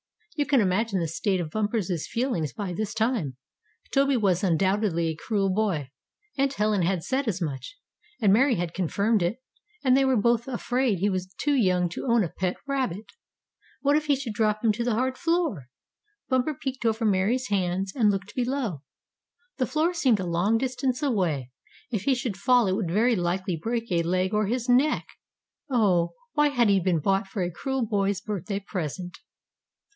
You can imagine the state of Bumper's feelings by this time. Toby was undoubtedly a cruel boy Aunt Helen had said as much, and Mary had confirmed it and they were both afraid he was too young to own a pet rabbit. What if he should drop him to the hard floor! Bumper peeked over Mary's hands and looked below. The floor seemed a long distance away. If he should fall it would very likely break a leg or his neck. Oh, why had he been bought for a cruel boy's birthday present.